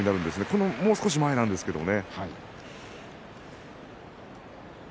このもう少し前なんですけれども。